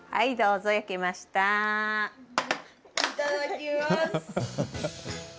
いただきます。